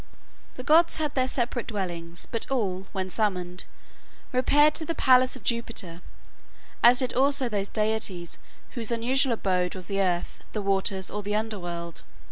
The gods had their separate dwellings; but all, when summoned, repaired to the palace of Jupiter, as did also those deities whose usual abode was the earth, the waters, or the underworld.